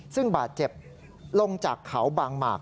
ซึ่งบาดเจ็บลงจากเขาบางหมาก